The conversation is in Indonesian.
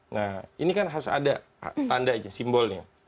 nah ini kan harus ada tandanya simbolnya